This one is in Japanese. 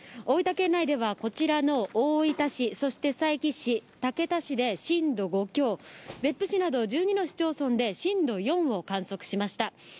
大分県内では、こちらの大分市、そして佐伯市、竹田市で震度５強、別府市など１２の市町村で震度４を観測しました。